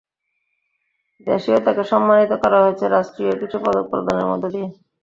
দেশেও তাঁকে সম্মানিত করা হয়েছে রাষ্ট্রীয় একুশে পদক প্রদানের মধ্য দিয়ে।